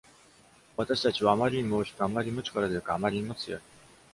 私たちはあまりにも大きく、あまりにも力強く、あまりにも強い。